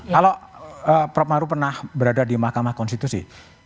kalau prof maruf pernah berada di mahkamah konstitusi